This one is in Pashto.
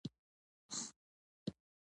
وګړي دا پدیدې په اسانۍ عملي کوي